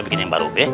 bikin yang baru